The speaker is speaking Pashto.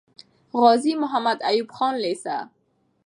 غازي محمد ايوب خان لیسه